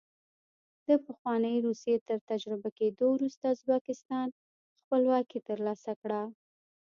د پخوانۍ روسیې تر تجزیه کېدو وروسته ازبکستان خپلواکي ترلاسه کړه.